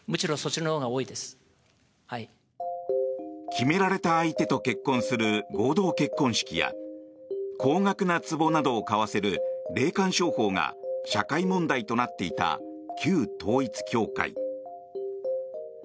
決められた相手と結婚する合同結婚式や高額なつぼなどを買わせる霊感商法が社会問題となっていた旧統一教会。